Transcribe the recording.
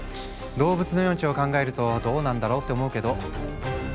動物の命を考えるとどうなんだろうって思うけど。